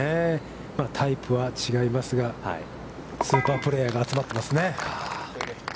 タイプは違いますが、スーパープレーヤーが集まっていますね。